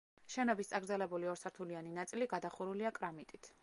შენობის წაგრძელებული ორსართულიანი ნაწილი გადახურულია კრამიტით.